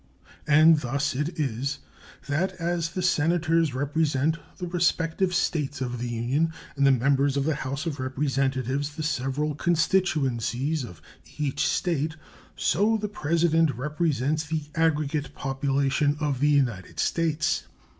And thus it is that as the Senators represent the respective States of the Union and the members of the House of Representatives the several constituencies of each State, so the President represents the aggregate population of the United States.